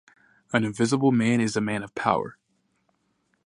An invisible man is a man of power.